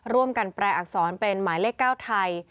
ร่วมกันแปลอักษรเป็นหมายเลข๙ไทย